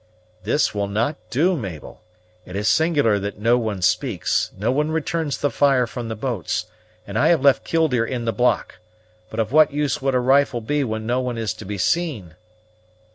"This will not do, Mabel. It is singular that no one speaks; no one returns the fire from the boats; and I have left Killdeer in the block! But of what use would a rifle be when no one is to be seen?"